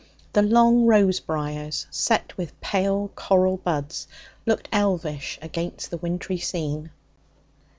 The long rose briars, set with pale coral buds, looked elvish against the wintry scene.